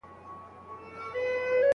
په سینه کي یې د حرص لمبې بلیږي